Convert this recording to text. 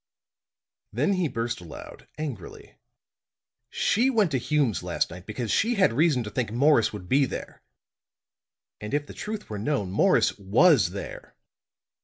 Then he burst out aloud, angrily. "She went to Hume's last night because she had reason to think Morris would be there. And if the truth were known, Morris was there."